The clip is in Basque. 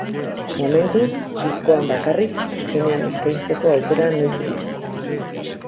Momentuz, diskoan bakarrik, zuzenean eskeintzeko aukera noiz iritsiko.